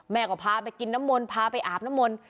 แม่ก็พาไปกินน้ำมนต์พาไปอาบน้ำมนต์